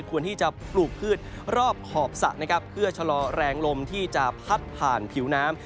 ควรที่จะปลูกพืชรอบขอบสระนะครับเพื่อชะลอแรงลมที่จะพัดผ่านผิวน้ำ